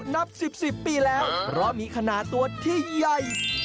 นับ๑๐๑๐ปีแล้วเพราะมีขนาดตัวที่ใหญ่